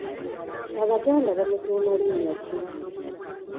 Abaganda bamutuuma linnya ki?